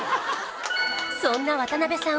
そんな渡部さん